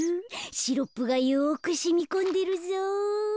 シロップがよくしみこんでるぞ。